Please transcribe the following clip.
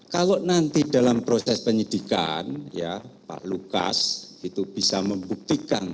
kalau nanti dalam proses penyidikan ya pak lukas itu bisa membuktikan